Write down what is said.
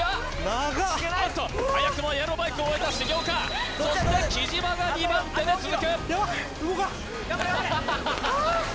長っおっと早くもエアロバイクを終えた重岡そして貴島が２番手と続く頑張れ！